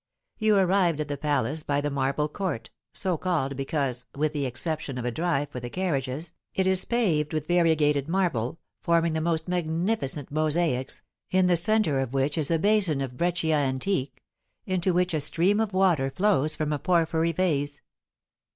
You arrived at the palace by the marble court; so called, because, with the exception of a drive for the carriages, it is paved with variegated marble, forming the most magnificent mosaics, in the centre of which is a basin of breccia antique, into which a stream of water flows from a porphyry vase.